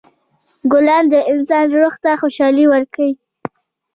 ګلان د انسان روح ته خوشحالي ورکوي.